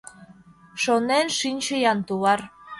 Шонен шинчы-ян, тулар.